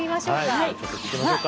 はいちょっと聞いてみましょうか。